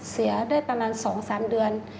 เสียได้ประมาณ๒๓เดือน